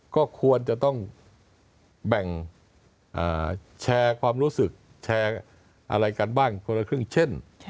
ก็ควรจะต้องแบ่งแชร์ความรู้สึกแชร์อะไรกันบ้างคนละครึ่งเช่น